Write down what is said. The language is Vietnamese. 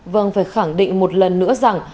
vâng phải khẳng định một lần nữa rằng